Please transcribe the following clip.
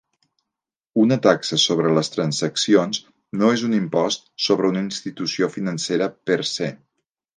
Una taxa sobre les transaccions no és un impost sobre una institució financera per se.